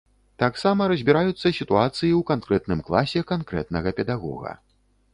Таксама разбіраюцца сітуацыі ў канкрэтным класе канкрэтнага педагога.